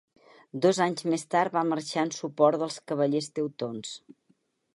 Dos anys més tard va marxar en suport dels Cavallers teutons.